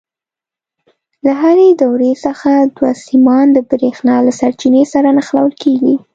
له هرې دورې څخه دوه سیمان د برېښنا له سرچینې سره نښلول کېږي.